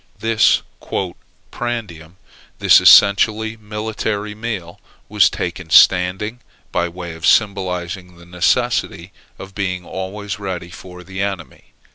This "prandium," this essentially military meal, was taken standing, by way of symbolizing the necessity of being always ready for the enemy.